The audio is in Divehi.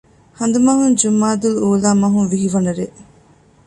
ހަނދުމަހުން ޖުމާދަލްއޫލާ މަހުން ވިހި ވަނަ ރޭ